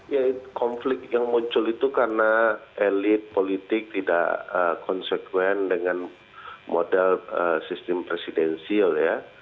ya konflik yang muncul itu karena elit politik tidak konsekuen dengan model sistem presidensil ya